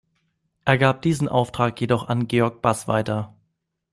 Er gab diesen Auftrag jedoch an George Bass weiter.